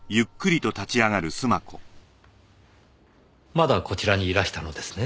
まだこちらにいらしたのですね。